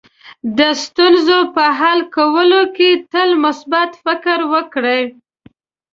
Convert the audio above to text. د ستونزو په حل کولو کې تل مثبت فکر وکړئ.